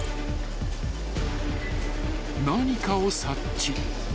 ［何かを察知］